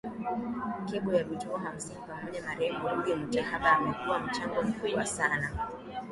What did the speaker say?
kebo ya vituo hamsini pamoja Marehemu Ruge Mutahaba amekuwa mchango mkubwa sana